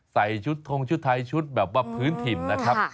ใส่ชุดทงชุดไทยชุดแบบว่าพื้นถิ่นนะครับ